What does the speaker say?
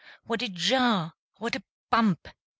What a jar! what a bump!